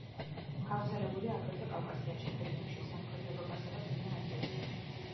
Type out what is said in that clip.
გავრცელებულია აგრეთვე კავკასიაში, ყირიმში, სამხრეთ ევროპასა და წინა აზიაში.